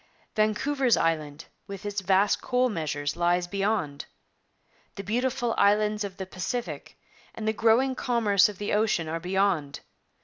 Vancouver's Island, with its vast coal measures, lies beyond. The beautiful islands of the Pacific and the growing commerce of the ocean are beyond.